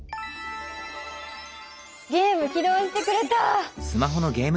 ゲーム起動してくれた！